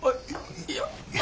いや。